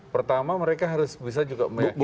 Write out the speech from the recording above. pertama mereka harus bisa juga mengikuti